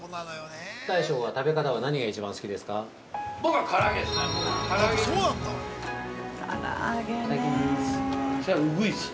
◆大将は、食べ方は何が一番好きですか？